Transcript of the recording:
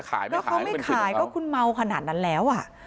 เอาไม่ขายก็คุณเมาสนั่นแล้ว